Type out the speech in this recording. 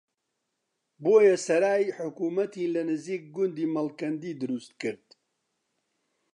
بۆیە سەرای حکومەتی لە نزیک گوندی مەڵکەندی دروستکرد